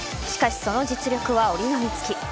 しかし、その実力は折り紙つき。